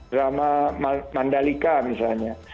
drama mandalika misalnya